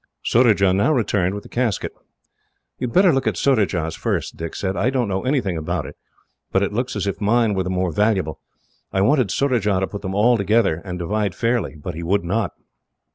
Surajah now returned with the casket. "You had better look at Surajah's first," Dick said. "I don't know anything about it, but it looks as if mine were the more valuable. I wanted Surajah to put them all together, and divide fairly, but he would not."